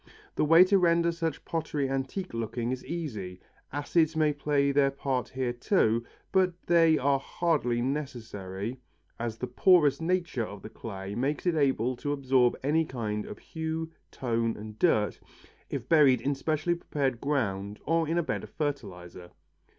The way to render such pottery antique looking is easy. Acids may play their part here too, but they are hardly necessary as the porous nature of the clay makes it able to absorb any kind of hue, tone and dirt if buried in specially prepared ground or in a bed of fertilizer.